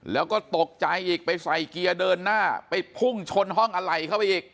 แล้วก็ตกใจอีกไปใส่เกียร์เดินหน้าไปพุ่งชนห้องอะไหล่เข้าไปอีก